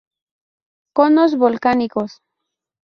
Conos volcánicos.